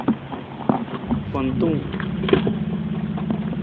Fantung.